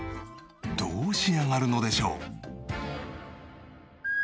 どう仕上がるのでしょう？